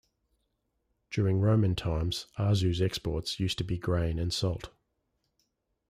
During Roman times, Arzew's exports used to be grain and salt.